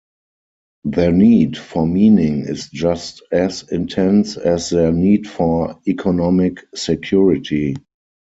Their need for meaning is just as intense as their need for economic security.